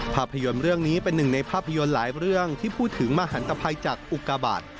ภาพยนตร์เรื่องนี้เป็นหนึ่งในภาพยนตร์หลายเรื่องที่พูดถึงมหันตภัยจากอุกาบาท